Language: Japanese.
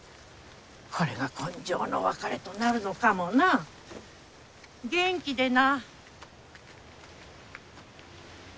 これが今生の別れとなるのかもな元気でな。